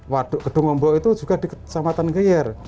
waduk gedung ombok itu juga di kecamatan geyer